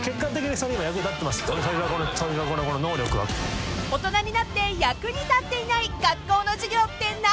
［大人になって役に立っていない学校の授業って何？の話］